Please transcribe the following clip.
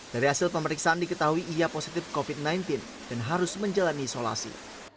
dari hasil pemeriksaan diketahui ia positif covid sembilan belas dan harus menjalani isolasi